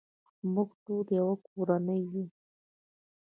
موږ ټول یو کورنۍ یو.